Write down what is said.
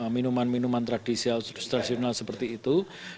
minuman minuman tradisional seperti itu